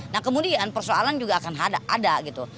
nah kemudian persoalan juga akan ada gitu